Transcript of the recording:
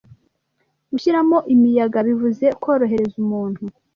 gushyiramo imiyaga bivuze korohereza umuntu,